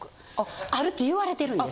あるって言われてるんです！